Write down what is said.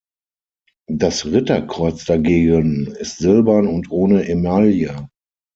Das Ritterkreuz dagegen ist silbern und ohne Emaille.